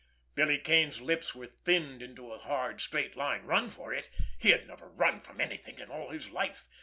Billy Kane's lips were thinned into a hard, straight line. Run for it! He had never run from anything in all his life!